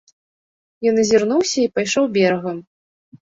Ён азірнуўся і пайшоў берагам.